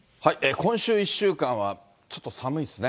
今週１週間は、ちょっと寒いですね。